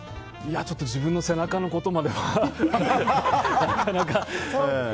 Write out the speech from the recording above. ちょっと自分の背中のことまではなかなか。